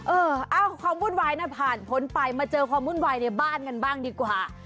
เออความวุ่นวายนะผ่านพ้นไปมาเจอความวุ่นวายในบ้านกันบ้างดีกว่า